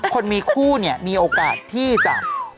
คนมีคู่เนี่ยมีโอกาสที่จะ